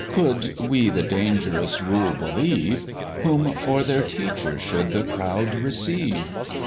could we the dangerous rule believe, Whom for their teacher should the crowd receive?